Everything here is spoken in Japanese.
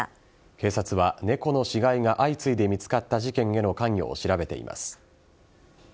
警察は、猫の死骸が相次いで見つかった事件への関与を調べています。